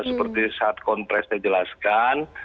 seperti saat kontres dijelaskan